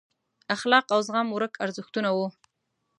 اخلاق او زغم ورک ارزښتونه وو.